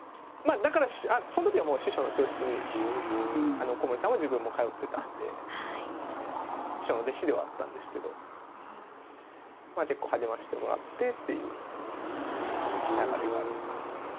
その時はもう師匠の教室に古森さんも自分も通ってたんで師匠の弟子ではあったんですけど結構励ましてもらってっていう流れがあるんですよね。